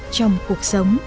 trong cuộc sống